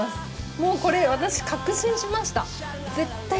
もうこれ私確信しました。